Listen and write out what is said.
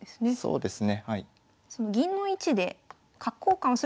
そうです。